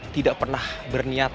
tidak pernah berniat